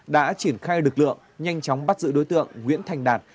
đã triển khai lực lượng nhanh chóng bắt giữ đối tượng nguyễn thành đạt